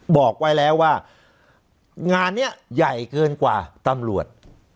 บอกไว้แล้วว่างานนี้ใหญ่เกินกว่าตำรวจ